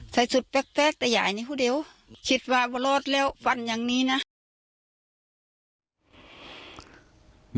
ใส่ชุดแป้กแต่อย่างนี้ก็เดี๋ยวชิดวะวะรดแล้วฟันอย่างนี้นะ